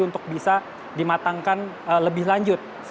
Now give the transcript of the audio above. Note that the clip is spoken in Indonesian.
untuk bisa dimatangkan lebih lanjut